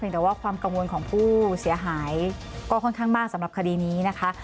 แต่ว่าความกังวลของผู้เสียหายก็ค่อนข้างมากสำหรับคดีนี้นะคะ